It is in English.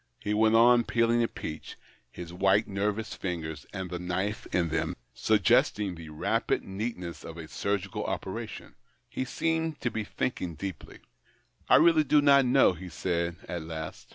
He went on peeling a peach, his white nervous fingers and the knife in them suggesting the 70 THE OCTAVE OF CLAUDIUS. rapid neatness of a surgical operation. He seemed to l^e thinking deeply. " I really do not know," he said at last.